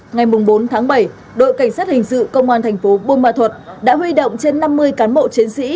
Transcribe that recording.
ngày bốn tháng bảy đội cảnh sát hình sự công an thành phố buôn ma thuật đã huy động trên năm mươi cán bộ chiến sĩ